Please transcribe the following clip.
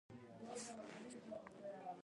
غیر فلزات معمولا کوم حالت لري.